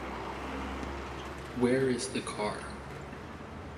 Where is the car?